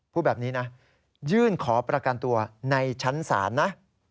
พูดแบบนี้นะยื่นขอประกันตัวในชั้นศาลนะ